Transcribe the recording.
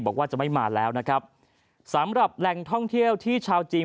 บอกว่าจะไม่มาแล้วนะครับสำหรับแหล่งท่องเที่ยวที่ชาวจีน